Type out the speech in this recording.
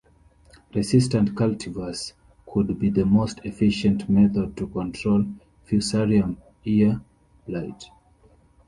Resistant cultivars could be the most efficient method to control Fusarium ear blight.